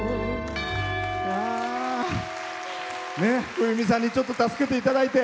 冬美さんにちょっと助けていただいて。